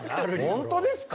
本当ですか。